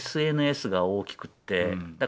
ＳＮＳが大きくて。